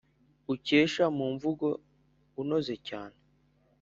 ukeshe mu mvugo unoze cyane